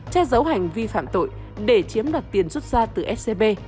che giấu hành vi phạm tội để chiếm đặt tiền rút ra từ s p